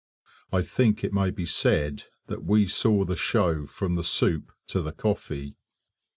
I think it may be said that we saw the show from the soup to the coffee.